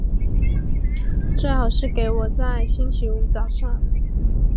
最好是给我在星期五早上